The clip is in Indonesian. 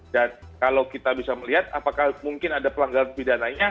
dan kalau kita bisa melihat apakah mungkin ada pelanggaran pidananya